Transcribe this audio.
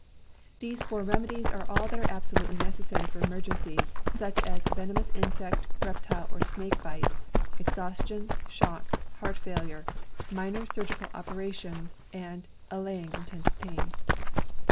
These four remedies are all that are absolutely necessary for emergencies, such as venomous insect, reptile or snake bite, exhaustion, shock, heart failure, minor surgical operations, and allaying intense pain.